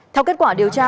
theo kết quả điều tra